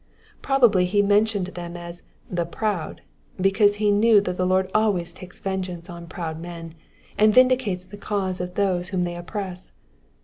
Probably ho mentioned them as the proud," because he knew that the Lord always takes vengeance on proud men, and vindicates the cause of those whom they oppress.